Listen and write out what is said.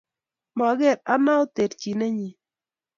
Maker Anao terchinenyi